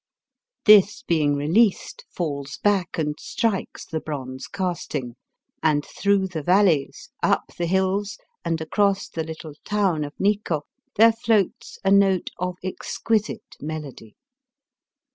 This being released falls back and strikes the bronze casting, and through the valleys, up the hiUs and across the little town of Nikko, there floats a note of exquisite melody.